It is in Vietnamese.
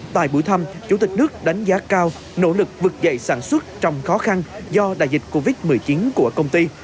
tại buổi thăm chủ tịch nước đánh giá cao nỗ lực vực dậy sản xuất trong khó khăn do đại dịch covid một mươi chín của công ty